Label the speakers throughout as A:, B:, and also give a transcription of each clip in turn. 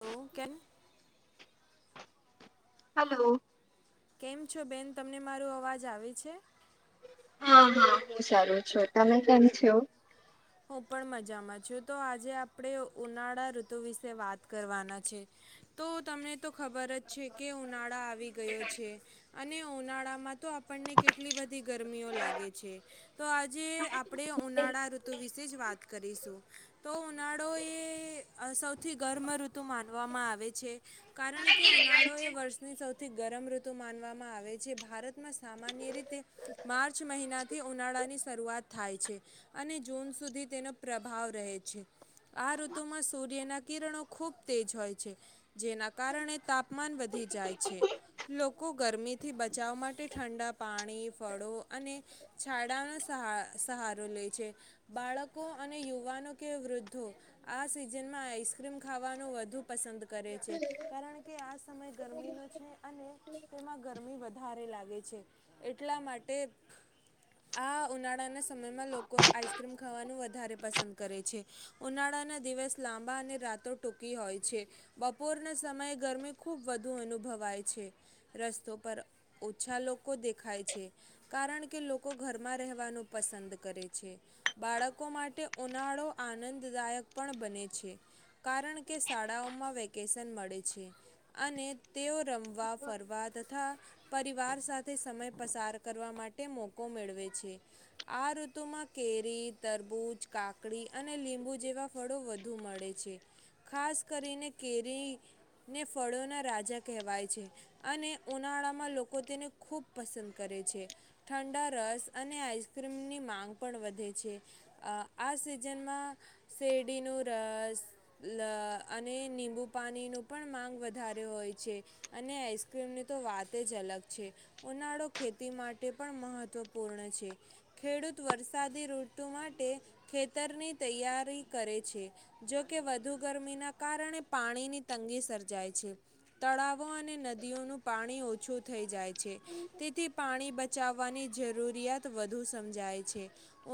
A: તો કેન
B: હલો
A: કેમ છો બેન તમને મારો અવાજ આવે છે.
B: હા હા હું સારું છું તમે કેમ છો.
A: હું પણ મજામાં છું તો આજે આપણે ઉનાળા ઋતુ વિશે વાત કરવાના છે. તો તમને તો ખબર જ છે કે ઉનાળા આવી ગયો છે. અને ઉનાળામાં તો આપણને કેટલી બધી ગરમીઓ લાગે છે તો આજે આપ આપણે ઉનાળા ઋતુ વિશે જ વાત કરીશું. તો ઉનાળો એ સૌથી ગર્મ ઋતુ માનવામાં આવે છે. કારણ કે ઉનાળો એ વર્ષની સૌથી ગરમ ઋતુ માનવામાં આવે છે ભારતમાં સામાન્ય રીતે માર્ચ મહિનાથી ઉનાળાની શરૂઆત થાય છે અને જૂન સુધી તેનો પ્રભાવ રહે છે. આ ઋતુમાં સૂર્યના કિરણો ખૂબ તેજ હોય છે. જેના કારણે તાપમાન વધી જાય છે. લોકો ગરમીથી બચાવ માટે ઠંડા પાણી ફળો અને. છાડાનો સહ સહારો લે છે. બાળકો અને યુવાનો કે વૃદ્ધો આ સિઝનમાં આઈસક્રીમ ખાવાનું વધુ પસંદ કરે છે કારણ કે કે આ સમય ગરમીનો છે અને તેમાં ગરમી વધારે લાગે છે. એટલા માટે આ ઉનાળાના સમયમાં લોકોનું આ િક્રમ ખાવાનું વધારે પસંદ કરે છે ઉનાળાના દિવસ લાંબા અને રાતો ટૂંકી હોય છે બપોરના સમયે ગરમી ખૂબ વધુ અનુભવાય છે. રસ્તો પર ઓછા લોકો દેખાય છે. કારણ કે લોકો ઘરમાં રહેવાનું પસંદ કરે છે. બાળકો માટે ઉનાળો આનંદદાયક પણ બને છે. કારણ કે શાળાઓમાં વેકેશન મળે છે. અને તેઓ રમવા ફરવા તથા પરિવાર સાથે સમય પસાર કરવા માટે મોકો મેળવે છે. આ ઋતુમાં કેરી તરબૂજ કાકડી અને લીંબુ જેવા ફળો વધુ મળે છે. ખાસ કરીને કેરીને ફળોના રાજા કહેવાય છે. અને ઉનાળામાં લોકો તેને ખૂબ પસંદ કરે છે. ઠંડા રસ અને આઈસક્રીમની માંગ પણ વધે છે. આ સિઝનમાં શેરડીનું રસ. અ અને નિબુ પાણી ન પણ માંગ વધારે હોય છે. અને આઈસક્રીમની તો વાત જ અલગ છે. ઉનાળો ખેતી માટે પણ મહત્વપૂર્ણ છે ખેડૂત વરસાદી ટ માટે ખેતરની તૈયારી કરે છે. જોકે વધુ ગરમીના કારણે પાણીની તંગી સર્જાય છે. તળાવો અને નદીઓનું પાણી ઓછું થઈ જાય છે. તેથી પાણી બચાવવાની જરૂરિયાત વધુ સમજાય છે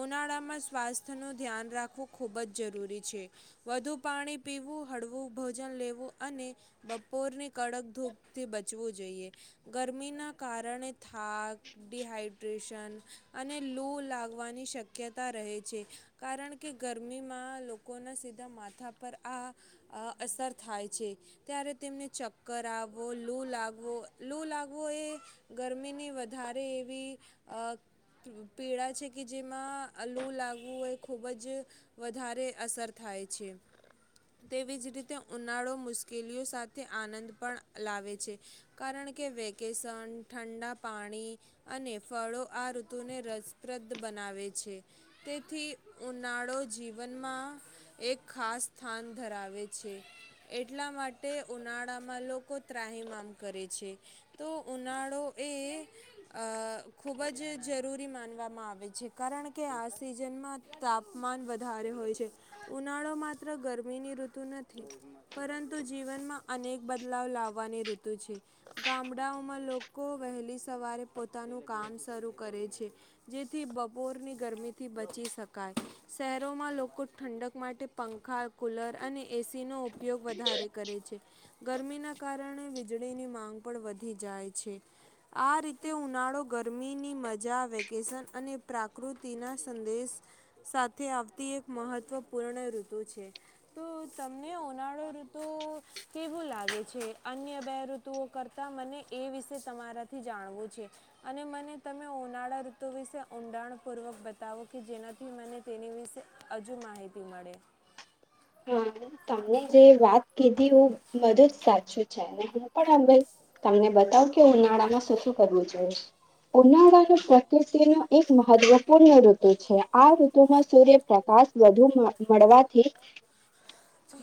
A: ઉનાળા સ્વાસ્થ્ય નું ધ્યાન રાખવું ખૂબ જ જરૂરી છે. વધુ પાણી પીવું હળવું ભોજન લેવું અને બપોરની કડક ધૂપથી બચવું જોઈએ ગરમીના કારણે થાક ડિહાઈડ્રેશન અને લૂ લાગવાની શક્યતા રહે છે કારણ કે ગરમીમાં લોકોના સીધા માથા પર આ અ અસર થાય છે. ત્યારે તેમને ચક્કર આવવો લૂ લાગવો લૂ લાગવો એ ગરમીની વધારે એવી પીડાા છે કે જેમાં અલું લાગવું હોય ખૂબ જ વધારે અસર થાય છે. તેવી જ રીતે ઉનાળો મુશ્કેલીઓ સાથે આનંદ પણ લાવે છે. કારણ કે વેકેશન ઠંડા પાણી અને ફળો આ ઋતુને રસપ્રદ બનાવે છે. તેથી ઉનાળો જીવનમાં એક ખાસ સ્થાન ધરાવે છે. એટલા માટે ઉનાળામાં લોકો ત્રાહીમામ કરે છે. તો ઉનાળો એ અ ખૂબ જ જરૂરી માનવામાં આવે છે કારણ કે આ સિઝનમાં તાપમાન વધારે હોય છે. ઉનાળો માત્ર ગરમીની ઋતુ નથી પરંતુ જીવનમાં અનેક બદલાવ લાવવાની ઋતુ છે. ગામડાઓમાં લોકો વહેલી સવારે પોતાનું કામ શરૂ કરે છે. જેથી બપોરની ગરમીથી બચી શકાય શહેરોમાં લોકો ઠંડક માટે પંખા કુલર અને એસી નો ઉપયોગ વધારે કરે છે. ગરમીના કારણે વીજળીની માંગ પણ વધી જાય છે. આ રીતે ઉનાળો ગરમીની મજા વેકેશન અને પ્રાકૃત તેના સંદેશ સાથે આવતી એક મહત્વપૂર્ણ ઋતુ છે. તો તમને ઉનાળો ઋતુ કેવું લાગે છે અન્ય બે ઋત તું કરતાં મને એ વિશે તમારાથી જાણવું છે. અને મને તમે ઉનાળા ઋતુ વિશે ઊંડાણ પૂર્વક બતાવો કે જેનાથી મને તેની વિશે હજુ માહિતી મળે.
B: હા તમને જે વાત કીધી વુ બધું જ સાચું છે અને હું પણ અમે તમને બતાવુ કે ઉનાળામાં શું શું કરવું જોઈશ. ઉનાળા પ્રકૃતિ નો એક મહત્વપૂર્ણ ઋતુ છે આ ઋતુમાં સૂર્ય પ્ર પ્રકાશ વધુ માં મળવાથી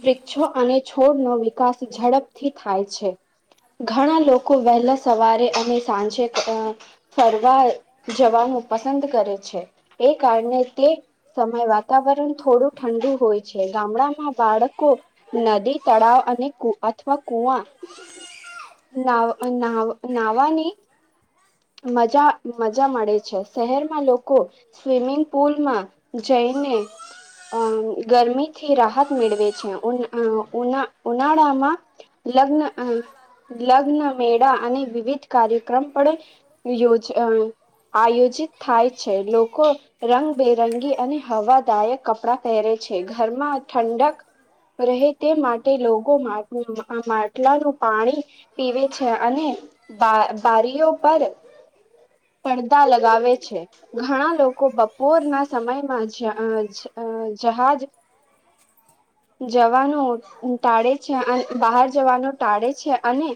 B: વૃક્ષો અને છોડનો વિકાસ ઝડપથી થાય છે. ઘણા લોકો વહેલા સવારે અને સાંજે આ ફરવા જવાનું પસંદ કરે છે એ કારણે તે સમય વાતાવરણ થોડું ઠંડુ હોય છે. ગામડામાં બાળકો નદી તળાવ અને અથવા કુવા નાવ નાવ નાવાની મજા મજા મળે છે શહેરમાં લોકો સ્વિમિંગ પુલ માં જઈને અ ગરમી થી રાહત મેળવે છે ઉન ઉ ઉનાળામાં લગ્ન આ લગ્ન મેળા અને વિવિધ કાર્યક્રમ પણ યોજ આ આયોજિત થાય છે લોકો રંગબેરંગી અને હવાદાયક કપડાં પહેરે છે ઘરમાં ઠંડક રહે તે માટે લોકો માટલું માટલાનું પાણી પીવે છે અને બા બારીઓ પર પડદા લગાવે છે. ઘણા લોકો બપોરના સમયમાં જ જહા જહાજ જવાનું ટાળે છે અન બહાર જવાનું ટાળે છે અને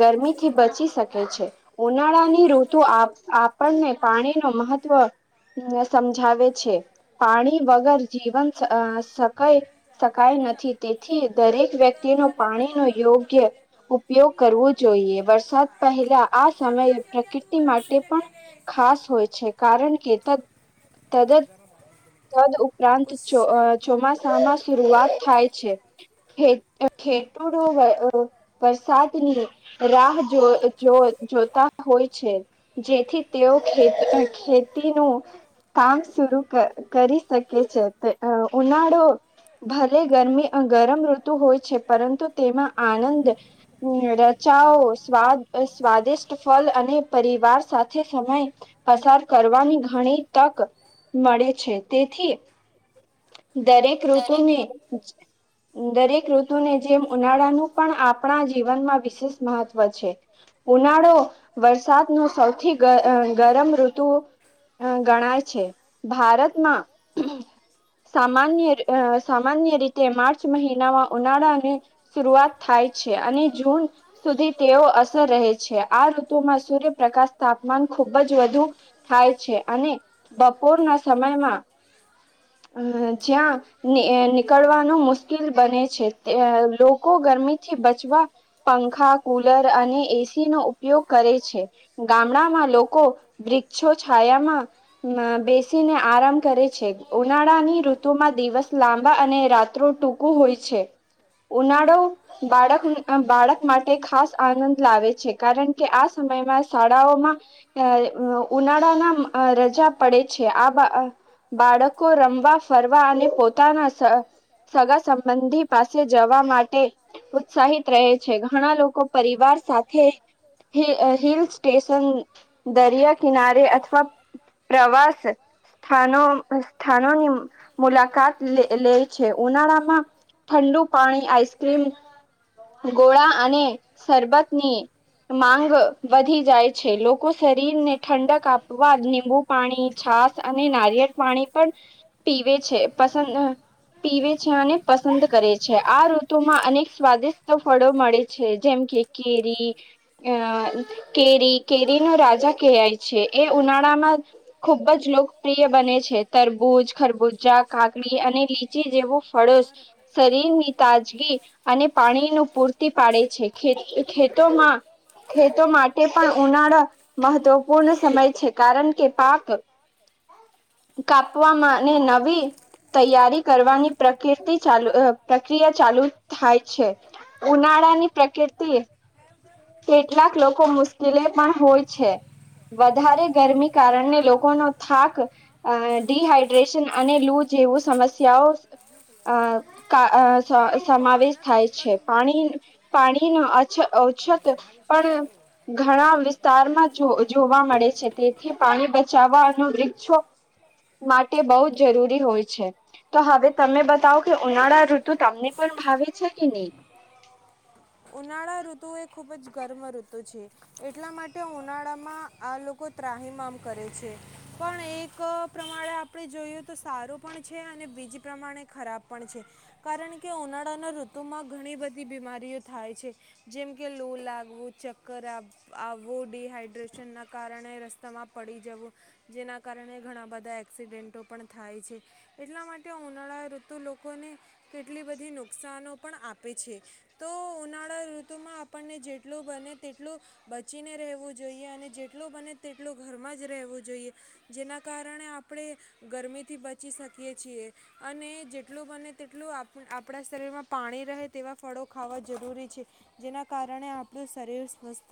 B: ગરમીથી બચી શકે છે ઉનાળા ની ઋતુ આપ અપ આપણને પાણી નો મહત્વ સમજાવે છે પાણી વગર જીવન અ શકાય શકાય નથી તેથી દરેક વ્યક્તિ નો પાણી નો યોગ્ય ઉપયોગ કરવો જોઈએ વરસાદ પહેલા આ સમયે પ્રકૃતિ માટે પણ ખાસ હોય છે કારણ કે [unintelligible]
A: [unintelligible]
B: તદ ઉપરાંત ચો ચોમાસામાં શરૂઆત થાય છે. ખે ખેત [unintelligible] ડ વરસાદની રાહ જો જો જોતા હોય છે જેથી તેઓ ખે ખેતીનું કામ સરું કરી શકે છે ઉનાળો ભારે ગરમી ગરમ ઋતુ હોય છે પરંતુ તેમાં આનંદ રચાઓ સ્વાદ સ્વાદિષ્ટ ફલ અને પરિવાર સાથે સમય પસાર કરવાની ઘણી તક મળે છે તેથી દરેક ઋતુને દરેક ઋતુને જેમ ઉનાળાનું પણ આપણા જીવનમાં વિશેષ મહત્વ છે ઉનાળો વરસાદ નું સૌથી ગ ગરમ ઋતુ ગણાય છે ભારતમાં સામાન્ય સામાન્ય રીતે માર્ચ મહિનામાં ઉનાળાને શરૂઆત થાય છે અને જૂન સુધી તેઓ અસર રહે છે આ ઋતુમાં સૂર્યપ્રકાશ તાપમાન ખુબ જ વધુ થાય છે અને બપોરના સમયમાં અ જ્યાં નીકળવાનું મુશ્કેલ બને છે લોકો ગરમીથી બચવા પંખા કુલર અને એસી નો ઉપયોગ કરે છે ગામડામાં લોકો વૃક્ષો છાયામાં બેસીને આરામ કરે છે ઉનાળાની ઋતુમાં દિવસ લાંબા અને રાત્રો ટૂંકું હોય છે ઉનાળો બાળક બાળક માટે ખાસ આનંદ લાવે છે કારણ કે આ સમયમાં શાળાઓમાં ઉનાળાના રજા પડે છે આ બાળક રમવા ફરવા અને પોતાના સગા સંબંધી પાસે જવા માટે ઉત્સાહિત રહે છે ઘણા લોકો પરિવાર સાથે હિલ સ્ટેશન દરિયા કિનારે અથવા પ્રવાસ સ્થાનો સ્થાનોની મુલાકાત લે છે ઉનાળામાં ઠંડુ પાણી આઈસ્ક્રીમ ગોળા અને શરબતની માંગ વધી જાય છે લોકો શરીરને ઠંડક આપવા નિમ્બુ પાણી છાસ અને નારિયેળ પાણી પણ પીવે છે પસંદ પીવે છે અને પસંદ કરે છે આ ઋતુમાં અનેક સ્વાદિષ્ટ ફળો મળે છે જેમ કે કેરી અ કેરી કેરી નો રાજા કવાય છે એ ઉનાળામાં ખુબ જ લોકપ્રિય બને તરબૂજ ખરબૂજા કાકડી અને લીચી જેવું ફળો શરીર ની તાજગી અને પાણી નું પૂર્તિ પાડે છે ખેતોમાં ખેતો માટે પણ ઉનાળા મહત્વપૂર્ણ સમય છે કારણ કે પાક કાપવામાંને નવી તૈયારી કરવાની પ્રકૃતિ ચાલુ પ્રક્રિયા ચાલુ થાય છે ઉનાળા ની પ્રકૃતિ કેટલાક લોકો મુશ્કેલે પણ હોય છે વધારે ગરમી કારણે લોકોનો થાક ડિહાઈડ્રેશન અને લૂ જેવું સમસ્યાઓ સમાવેશ થાય છે પાણી પાણીનો અછત પણ ઘણા વિસ્તારમાં જોવા મળે છે તેથી પાણી બચાવવાનું વૃક્ષો માટે બહુ જરૂરી હોય છે. તો હવે તમે બતાવો કે ઉનાળા ઋતુ તમને પણ ભાવે છે કે નહી?
A: ઉનાળા ઋતુ એ ખુબ જ ગર્મ ઋતુ છે. એટલા માટે ઉનાળામાં આ લોકો ત્રાહીમામ કરે છે. પણ એક પ્રમાણે આપણે જોઈએ તો સારું પણ છે અને બીજ પ્રમાણે ખરાબ પણ છે. કારણ કે ઉનાળાના ઋતુમાં ઘણી બધી બીમારીઓ થાય છે. જેમ કે લુ લાગવું, ચક્કર આવું ડિહાઈડ્રેશન ના કારણે રસ્તામાં પડી જવું. જેના કારણે ઘણા બધા એક્સિડેન્ટો પણ થાય છે. એટલા માટે ઉનાળા ઋતુ લોકોને કેટલી બધી નુકસાનો પણ આપે છે. તો ઉનાળા ઋતુમાં આપણને જેટલું બને તેટલું બચીને રહેવું જોઈએ અને જેટલો બને તેટલો ઘરમાં જ રહેવું જોઈએ. જેના કારણે આપણે ગરમીથી બચી શકીએ છીએ. અને જેટલું બને તેટલું આપ આપણા શરીરમાં પાણી રહે તેવા ફળો ખાવા જરૂરી છે જેના કારણે આપણું શરીર સ્વસ્થ